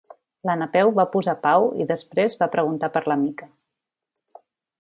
La Napeu va posar pau i després va preguntar per la Mica.